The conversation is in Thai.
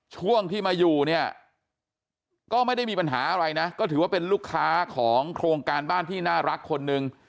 ช่วงที่มาอยู่เนี่ยก็ไม่ได้มีปัญหาอะไรนะก็ถือว่าเป็นลูกค้าของโครงการบ้านที่น่ารักคนนึง